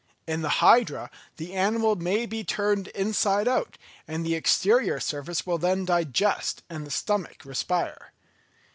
In the Hydra, the animal may be turned inside out, and the exterior surface will then digest and the stomach respire.